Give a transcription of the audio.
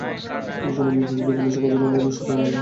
কোনো ব্যক্তি যদি পুলিশের কাজে বাধা দেন সেটা ফৌজদারি অপরাধ হয়।